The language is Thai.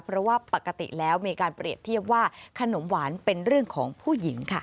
เพราะว่าปกติแล้วมีการเปรียบเทียบว่าขนมหวานเป็นเรื่องของผู้หญิงค่ะ